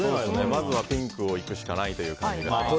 まずはピンクをいくしかないという感じですが。